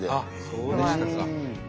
そうでしたか。